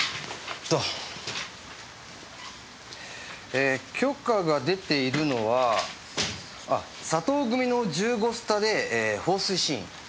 ええ許可が出ているのはあっ佐藤組の１５スタで放水シーン。